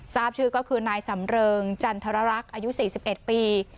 ทราบชื่อก็คือนายสำเริงจันทรรักษ์อายุ๔๑ปี